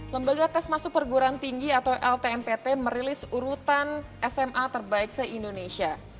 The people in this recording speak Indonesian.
lembaga tes masuk perguruan tinggi atau ltmpt merilis urutan sma terbaik se indonesia